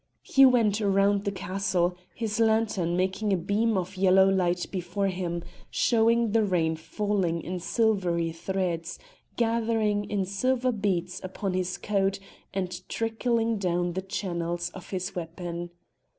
He went round the castle, his lantern making a beam of yellow light before him, showing the rain falling in silvery threads, gathering in silver beads upon his coat and trickling down the channels of his weapon.